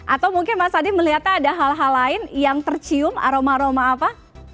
atau mungkin mas adi melihatnya ada hal hal lain yang tercium aroma aroma apa